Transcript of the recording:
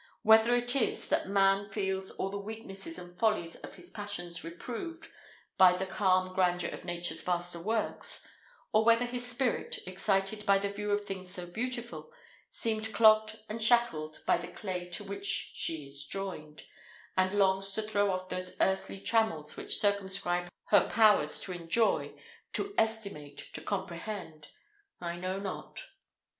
Whether it is, that man feels all the weaknesses and follies of his passions reproved by the calm grandeur of nature's vaster works; or whether his spirit, excited by the view of things so beautiful, seemed clogged and shackled by the clay to which she is joined, and longs to throw off those earthly trammels which circumscribe her powers to enjoy, to estimate, to comprehend I know not.